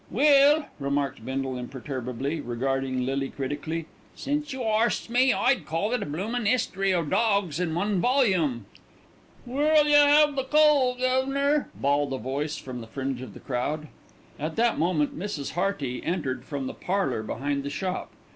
"Well," remarked Bindle imperturbably, regarding Lily critically, "since you arsts me, I'd call it a bloomin' 'istory o' dawgs in one volume." "Where'll yer 'ave the coal, guv'nor?" bawled a voice from the fringe of the crowd. At that moment Mrs. Hearty entered from the parlour behind the shop.